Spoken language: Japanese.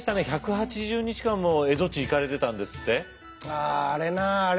ああれなああれ